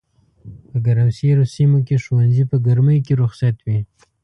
په ګرمسېرو سيمو کښي ښوونځي په ګرمۍ کي رخصت وي